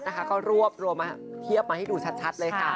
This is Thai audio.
เราก็เทียบให้ดูชัด